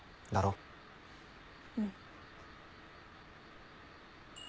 うん。